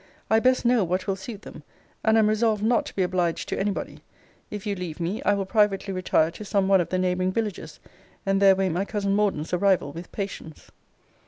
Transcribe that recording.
I best know what will suit them; and am resolved not to be obliged to any body. If you leave me, I will privately retire to some one of the neighbouring villages, and there wait my cousin Morden's arrival with patience.